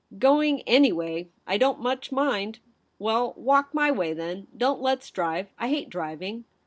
' Going any way — I don't much mind.' 'Well, walk my way then. Don't let's drive. I hate driving.'